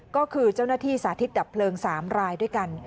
ก็คือเจ้าหน้าที่สาธิตดับเพลิง๓รายด้วยกัน